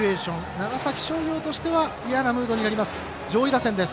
長崎商業としては嫌なムードになります。